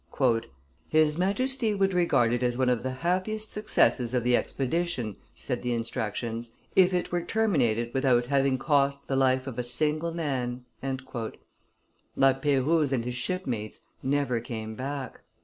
"His Majesty would regard it as one of the happiest successes of the expedition," said the instructions, "if it were terminated without having cost the life of a single man." La Peyrouse and his shipmates never came back.